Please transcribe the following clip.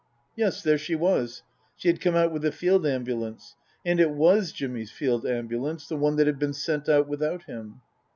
Yes, there she was. She had come out with the Field Ambulance. And it was Jimmy's Field Ambulance, the one that had been sent out without him.